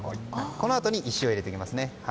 このあとに石を入れていきますね。